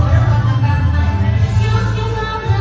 เรื่องเป็นเลยช่วงหน้า